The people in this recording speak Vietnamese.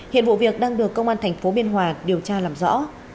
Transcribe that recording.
hiện vụ việc đang được công an thành phố biên hòa điều tra làm rõ